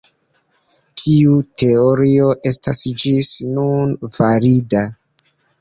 Tiu teorio estas ĝis nun valida.